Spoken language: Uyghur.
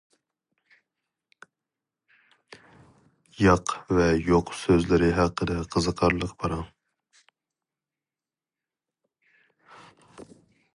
«ياق» ۋە «يوق» سۆزلىرى ھەققىدە قىزىقارلىق پاراڭ!